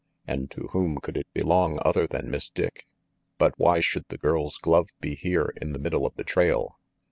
And to whom could it belong other than Miss Dick? But why should the girl's glove be here in the middle of the trail?